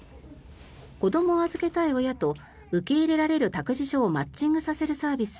子どもを預けたい親と受け入れられる託児所をマッチングさせるサービス